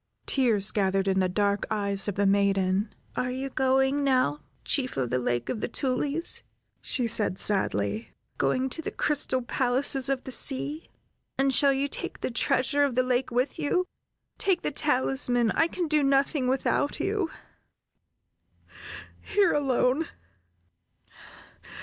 Tears gathered in the dark eyes of the maiden. "Are you going now, Chief of the Lake of the Tulies?" said she, sadly: "Going to the crystal palaces of the sea? And shall you take the treasure of the lake with you? Take the talisman, I can do nothing without you! Here alone!